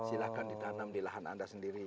silahkan ditanam di lahan anda sendiri